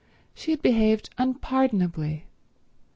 She had behaved unpardonably.